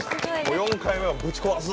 ４回目はぶち壊すぞ！